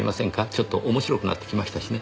ちょっとおもしろくなってきましたしね。